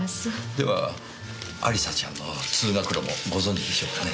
では亜里沙ちゃんの通学路もご存じでしょうかね？